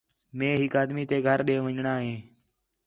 مئے ہِک آدمی تے گھر ݙے ون٘ڄݨاں ہِے